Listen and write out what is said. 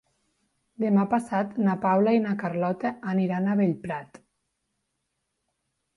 Demà passat na Paula i na Carlota aniran a Bellprat.